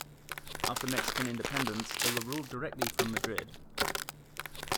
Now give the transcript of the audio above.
After Mexican independence, they were ruled directly from Madrid.